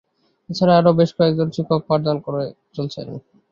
এছাড়াও আরো বেশ কয়েক জন শিক্ষক পাঠদান করে চলেছেন।